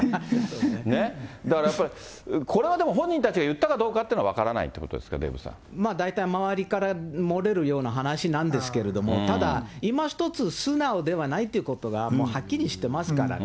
だからやっぱりこれはでも、本人たちがいったかどうかっていうのは分からないってことですか、大体周りから漏れるような話なんですけれども、ただいまひとつ素直ではないということがもうはっきりしてますからね。